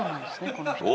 この人ね。